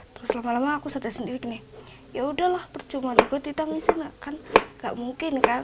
terus lama lama aku sedang sendiri gini ya udahlah percuma juga ditangisin akan nggak mungkin kan